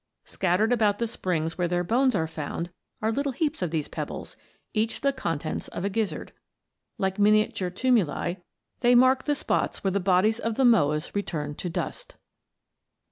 Scattered about the springs where their bones are found are little heaps of these pebbles, each the contents of a gizzard. Like miniature tumuli, they mark the spots where the bodies of the Moas returned to dust.